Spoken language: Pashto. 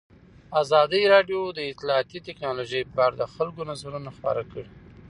ازادي راډیو د اطلاعاتی تکنالوژي په اړه د خلکو نظرونه خپاره کړي.